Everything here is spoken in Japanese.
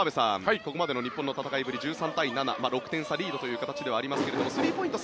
ここまでの日本の戦いぶり１３対７６点差リードという形ではありますがスリーポイント